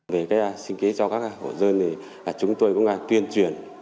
về sinh kế cho các hộ dân thì chúng tôi cũng tuyên truyền